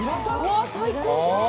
わあ最高じゃん！